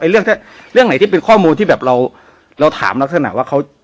ไอ้เรื่องที่เรื่องไหนที่เป็นข้อมูลที่แบบเราเราถามลักษณะว่าเขา